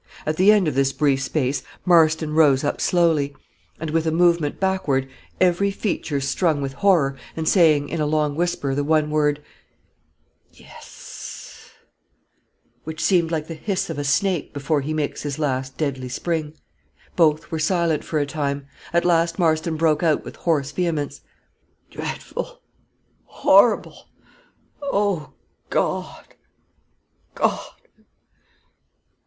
At the end of this brief space, Marston rose up slowly, and with a movement backward, every feature strung with horror, and saying, in a long whisper, the one word, "yes," which seemed like the hiss of a snake before he makes his last deadly spring. Both were silent for a time. At last Marston broke out with hoarse vehemence. "Dreadful horrible oh, God! God!